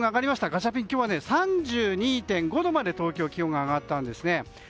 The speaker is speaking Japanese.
ガチャピン今日は３２．５度まで気温が上がったんですね。